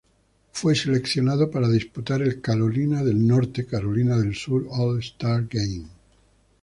Fue seleccionado para disputar el Carolina del Norte-Carolina del Sur All-Star Game.